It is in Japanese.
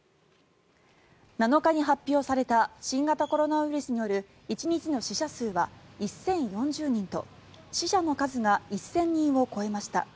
７日に発表された新型コロナウイルスによる１日の死者数は１０４０人と死者の数が１０００人を超えました。